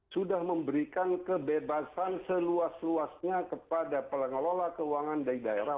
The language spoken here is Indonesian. sudah memberikan kebebasan seluas luasnya kepada pengelola keuangan dari daerah